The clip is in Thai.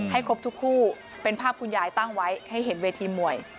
ครบทุกคู่เป็นภาพคุณยายตั้งไว้ให้เห็นเวทีมวย